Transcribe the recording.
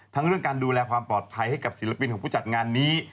เรื่องการดูแลความปลอดภัยให้กับศิลปินของผู้จัดงานนี้